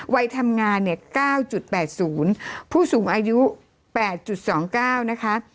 วัยทำงานเนี่ย๙๘๐ผู้สูงอายุ๘๒๙นะคะ